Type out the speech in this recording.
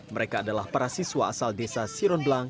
mereka adalah para siswa asal desa siron blang